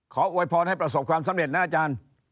อวยพรให้ประสบความสำเร็จนะอาจารย์